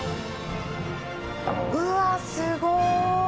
うわー、すごーい！